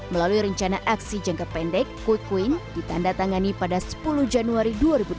melalui rencana aksi jangka pendek quick win ditanda tangani pada sepuluh januari dua ribu dua puluh